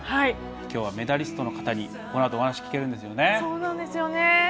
今日はメダリストの方にお話を聞けるんですよね。